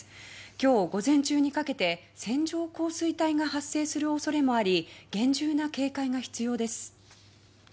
今日午前中にかけて線状降水帯が発生する恐れもあり厳重な警戒が必要です。